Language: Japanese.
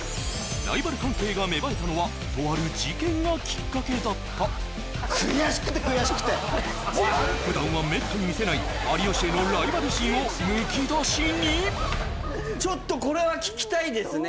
ライバル関係が芽生えたのはとある事件がキッカケだった普段はめったに見せない有吉へのライバル心をむき出しにちょっとこれは聞きたいですね